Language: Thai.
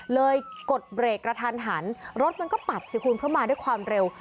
เลยกดเบรกระทันรถมันก็ปัดสิคุณเพื่อมาด้วยความเร็ว